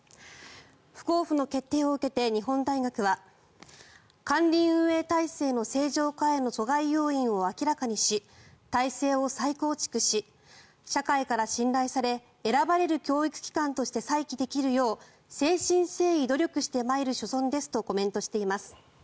不交付の決定を受け、日本大学は管理運営体制の正常化への阻害要因を明らかにし体制を再構築し社会から信頼され選ばれる教育機関として再起できるよう誠心誠意努力してまいる所存ですとコメントしています。